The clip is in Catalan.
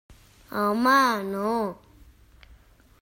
Home, no.